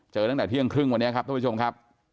ตั้งแต่เที่ยงครึ่งวันนี้ครับท่านผู้ชมครับ